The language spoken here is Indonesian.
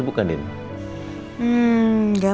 dia luar biasa